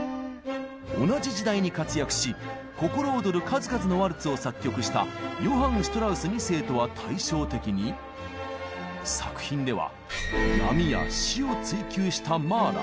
同じ時代に活躍し心躍る数々のワルツを作曲したヨハン・シュトラウス２世とは対照的に作品では「闇」や「死」を追求したマーラー。